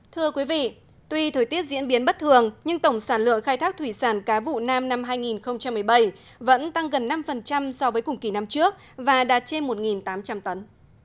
thưa quý vị tuy thời tiết diễn biến bất thường nhưng tổng sản lượng khai thác thủy sản cá vụ nam năm hai nghìn một mươi bảy vẫn tăng gần năm so với cùng kỳ năm trước và đạt trên một tám trăm linh tấn